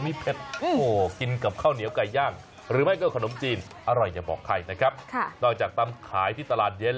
มันจะมีที่จังหวัดเลย